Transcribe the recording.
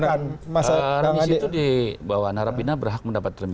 untuk remisi itu di bawah narapina berhak mendapat remisi